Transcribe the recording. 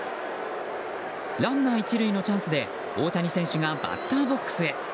ランナー１塁のチャンスで大谷選手がバッターボックスへ。